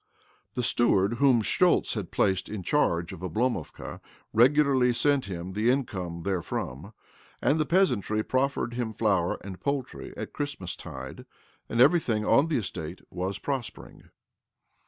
The steward whom Schtoltz had placed in charge of Oblomovka regularly sent him the income therefrom, and the peasantry proffered him flour and poultry at Christmastide, and everything on the estate was prospering.